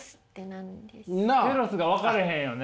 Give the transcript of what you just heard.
テロスが分からへんよね。